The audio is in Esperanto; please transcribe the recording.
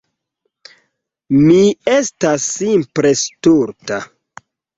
Mi estas simple stulta.